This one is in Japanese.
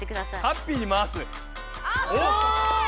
ハッピーに回す⁉お！